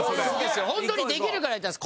ホントにできるから言ったんです。